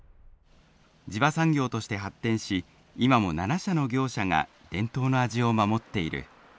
地場産業として発展し今も７社の業者が伝統の味を守っている。